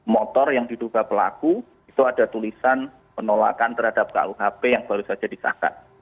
motor yang diduga pelaku itu ada tulisan penolakan terhadap kuhp yang baru saja disahkan